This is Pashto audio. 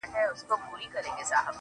خدايه دا ټـپه مي په وجود كـي ده~